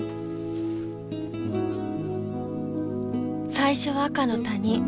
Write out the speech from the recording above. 最初は赤の他人。